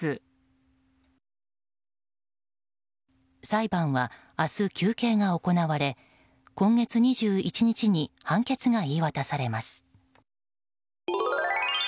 裁判は明日、求刑が行われ今月２１日に判決が言い渡されます。